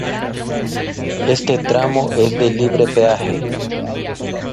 Este tramo es de libre peaje.